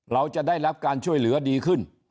เราจะได้รับการช่วยเหลือดีขึ้น